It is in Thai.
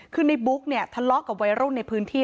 คือในบุ๊กเนี่ยทะเลาะกับวัยรุ่นในพื้นที่